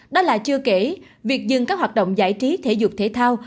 đó là chưa kể việc dừng các hoạt động giải trí thể dục thể thao